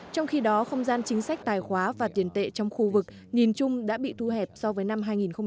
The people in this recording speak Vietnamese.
trong khi đó không gian chính sách tài khoá và tiền tệ trong khu vực nhìn chung đã bị thu hẹp so với năm hai nghìn một mươi tám